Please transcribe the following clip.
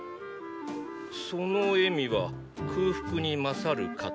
その笑みは空腹に勝る糧。